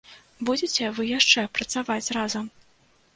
Будзеце вы яшчэ працаваць разам?